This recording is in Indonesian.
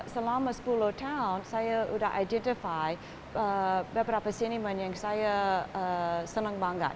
selama sepuluh tahun saya sudah mengenal pasti beberapa siniman yang saya senang banget